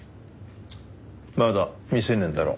まだ未成年だろ？